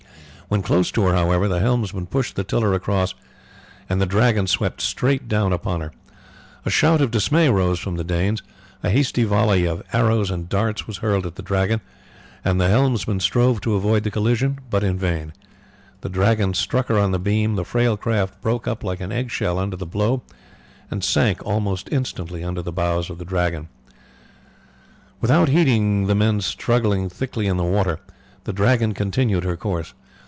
When close to her, however, the helmsman pushed the tiller across and the Dragon swept straight down upon her. A shout of dismay rose from the Danes, a hasty volley of arrows and darts was hurled at the Dragon, and the helmsman strove to avoid the collision, but in vain. The Dragon struck her on the beam, the frail craft broke up like an egg shell under the blow, and sank almost instantly under the bows of the Dragon. Without heeding the men struggling thickly in the water, the Dragon continued her course.